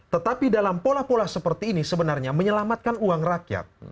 tetapi dalam pola pola seperti ini sebenarnya menyelamatkan uang rakyat